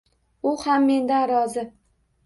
U ham mendan rozi